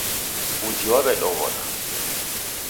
Uji waw'edoghoda.